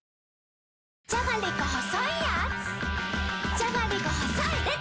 じゃがりこ細いでた‼